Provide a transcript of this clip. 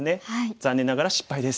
残念ながら失敗です。